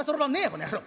この野郎！